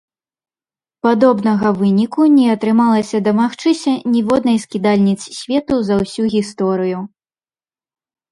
Падобнага выніку не атрымалася дамагчыся ніводнай з кідальніц свету за ўсю гісторыю.